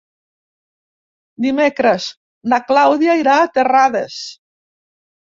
Dimecres na Clàudia irà a Terrades.